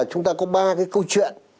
chúng ta có ba cái câu chuyện